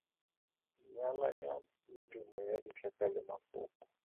Nyalanya medumo ya ditlhaka le mafoko.